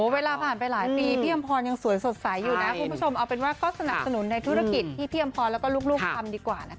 เวลาผ่านไปหลายปีพี่อำพรยังสวยสดใสอยู่นะคุณผู้ชมเอาเป็นว่าก็สนับสนุนในธุรกิจที่พี่อำพรแล้วก็ลูกทำดีกว่านะคะ